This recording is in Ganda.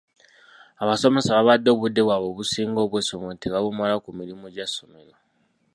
Abasomesa babadde obudde bwabwe obusinga obw’essomero tebabumala ku mirimu gya ssomero.